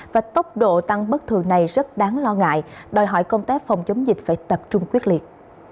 và tốc độ tăng bất thường này rất đáng lo ngại đòi hỏi công tác phòng chống dịch phải tập trung quyết liệt